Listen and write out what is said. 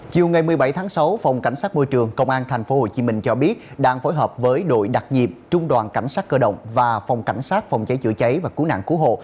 chiều ngày một mươi bảy tháng sáu phòng cảnh sát môi trường công an tp hcm cho biết đang phối hợp với đội đặc nhiệm trung đoàn cảnh sát cơ động và phòng cảnh sát phòng cháy chữa cháy và cứu nạn cứu hộ